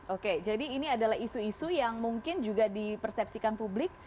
oke jadi ini adalah isu isu yang mungkin juga dipersepsikan publik